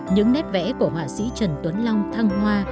những nét vẽ của họa sĩ trần tuấn long thăng hoa